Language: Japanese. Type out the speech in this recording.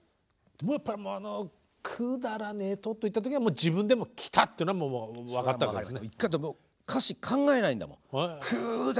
やっぱりあの「くだらねえと」って言った時には自分でも「来た！」っていうのはもう分かったわけですね。